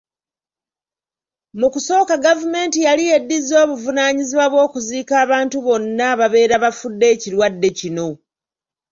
Mu kusooka gavumenti yali yeddizza obuvunaanyizibwa bw'okuziika abantu bonna ababeera bafudde ekirwadde kino.